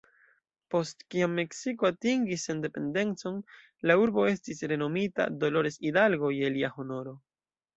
Post kiam Meksiko atingis sendependecon, la urbo estis renomita "Dolores Hidalgo" je lia honoro.